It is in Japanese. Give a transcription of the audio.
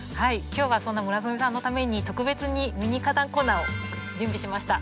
今日はそんな村雨さんのために特別にミニ花壇コーナーを準備しました。